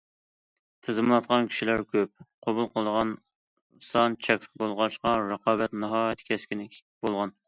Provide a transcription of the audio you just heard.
تىزىملاتقان كىشىلەر كۆپ، قوبۇل قىلىدىغان سان چەكلىك بولغاچقا، رىقابەت ناھايىتى كەسكىن بولغان.